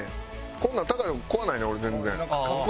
こんなん高い所怖ないねん俺全然。